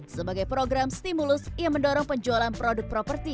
sebagai program stimulus ia mendorong penjualan produk properti